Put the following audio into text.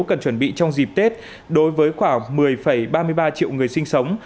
cần chuẩn bị trong dịp tết đối với khoảng một mươi ba mươi ba triệu người sinh sống